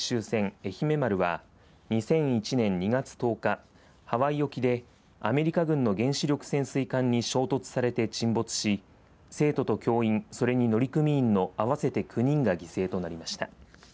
えひめ丸は２００１年２月１０日ハワイ沖でアメリカ軍の原子力潜水艦に衝突されて沈没し生徒と教員それに乗組員の合わせて９人が犠牲となりました。